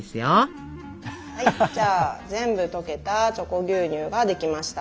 はい全部とけた「チョコ牛乳」ができました。